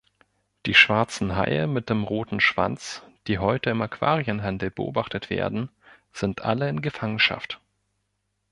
Die schwarzen Haie mit dem roten Schwanz, die heute im Aquarienhandel beobachtet werden, sind alle in Gefangenschaft.